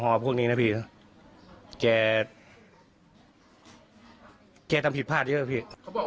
ไม่พี่ครับคนก็อยู่แถวแถวนั่นเยอะพี่